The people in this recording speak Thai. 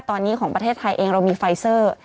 ตอนนี้ของประเทศไทยเองเรามีไฟเซอร์